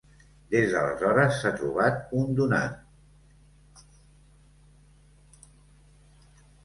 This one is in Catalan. Des d'aleshores s'ha trobat un donant.